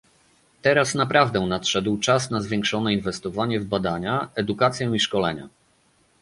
Teraz naprawdę nadszedł czas na zwiększone inwestowanie w badania, edukację i szkolenia